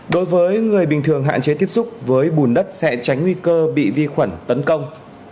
đối với người bình thường hạn chế tiếp xúc với bùn đất sẽ tránh nguy cơ bị vi khuẩn tấn công